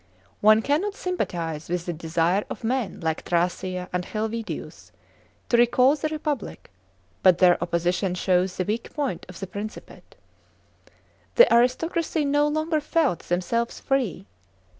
One cannot sympathise with the desire of men like Thrasea and Helvidius to recall the Republic, but their opposition shows the weak point of the Princi pate. The aristocracy no longer felt themselves free.